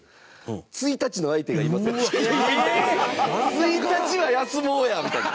１日は休もうや、みたいな。